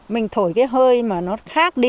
mình thổi cái hơi mà nó khác đi